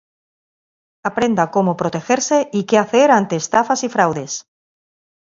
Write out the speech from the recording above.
Aprenda cómo protegerse y qué hacer ante estafas y fraudes.